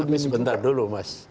habis sebentar dulu mas